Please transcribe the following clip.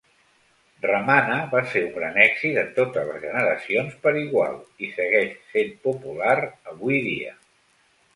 Ramana va ser un gran èxit en totes les generacions per igual, i segueix sent popular avui dia.